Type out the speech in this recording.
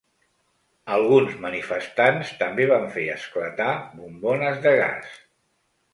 Alguns manifestants també van fer esclatar bombones de gas.